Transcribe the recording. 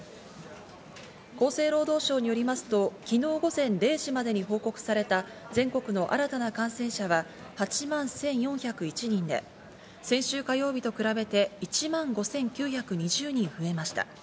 厚生労働省によりますと、昨日午前０時までに報告された全国な新たな感染者は８万１４０１人で、先週火曜日と比べて１万５９２０人増えました。